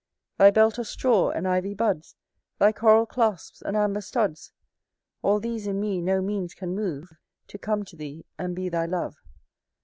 Thy belt of straw, and ivy buds, Thy coral clasps, and amber studs, All these in me no means can move To come to thee, and be thy love.